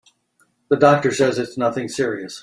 The doctor says it's nothing serious.